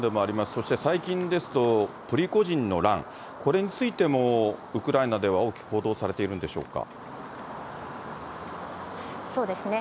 そして最近ですと、プリゴジンの乱、これについてもウクライナでは大きく報道されてそうですね。